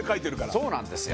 そうなんですよ。